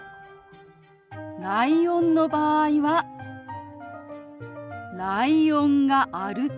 ライオンの場合は「ライオンが歩く」。